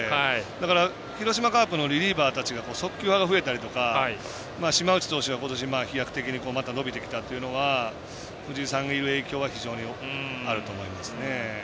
だから、広島カープのリリーバーたちが速球派が増えたりとか島内投手が今年、飛躍的にまた伸びてきたというのは藤井さんがいる影響が非常にあると思いますね。